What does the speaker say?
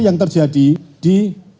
yang terjadi di